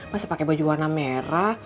masih pakai baju warna merah